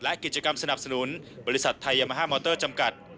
และกิจกรรมสนับสนุนบริษัทไทยยามาฮามอเตอร์จำกัด